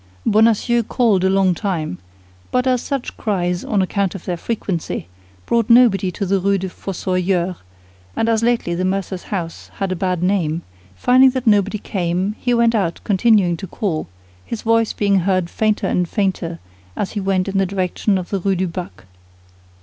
Bonacieux called a long time; but as such cries, on account of their frequency, brought nobody in the Rue des Fossoyeurs, and as lately the mercer's house had a bad name, finding that nobody came, he went out continuing to call, his voice being heard fainter and fainter as he went in the direction of the Rue du Bac.